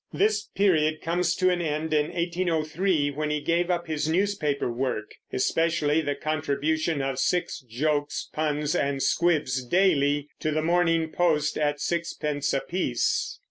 This period comes to an end in 1803, when he gave up his newspaper work, especially the contribution of six jokes, puns, and squibs daily to the Morning Post at sixpence apiece.